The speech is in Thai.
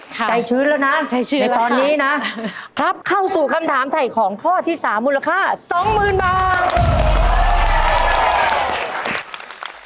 ใจชื้นแล้วนะใจชื้นในตอนนี้นะครับเข้าสู่คำถามถ่ายของข้อที่สามมูลค่าสองหมื่นบาท